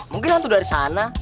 mungkin hantu dari sana